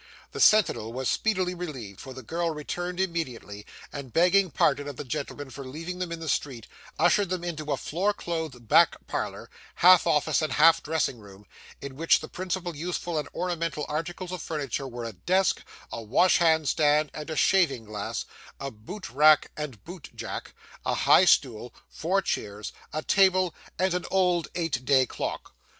The sentinel was speedily relieved; for the girl returned immediately, and begging pardon of the gentlemen for leaving them in the street, ushered them into a floor clothed back parlour, half office and half dressing room, in which the principal useful and ornamental articles of furniture were a desk, a wash hand stand and shaving glass, a boot rack and boot jack, a high stool, four chairs, a table, and an old eight day clock.